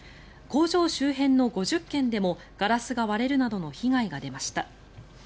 工場周辺の５０軒でもガラスが割れるなどの被害が出ました。